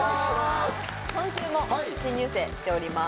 今週も新入生来ております